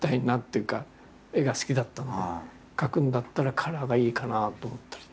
それを見て絵が好きだったんで描くんだったらカラーがいいかなと思ったり。